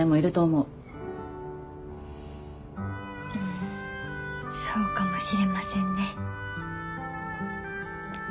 うんそうかもしれませんね。